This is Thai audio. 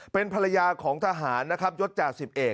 เป็นภรรยาของทหารนะครับยศ๓๑